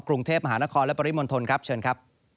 กรุงเทพมหานครและปริมณฑลครับเชิญครับ